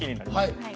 はい。